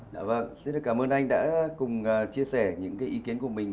đã vợ rất là cảm ơn anh đã cùng chia sẻ những cái ý kiến của mình